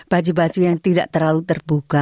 baju baju yang tidak terlalu terbuka